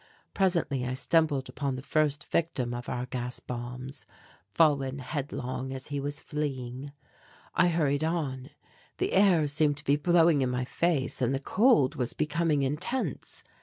Presently I stumbled upon the first victim of our gas bombs, fallen headlong as he was fleeing. I hurried on. The air seemed to be blowing in my face and the cold was becoming intense.